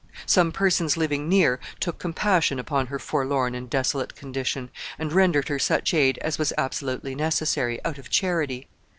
Some persons living near took compassion upon her forlorn and desolate condition, and rendered her such aid as was absolutely necessary, out of charity.